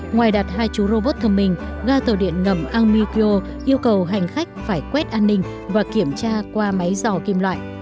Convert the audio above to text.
ngoài đặt hai chú robot thông minh ga tàu điện ngầm amikyo yêu cầu hành khách phải quét an ninh và kiểm tra qua máy dò kim loại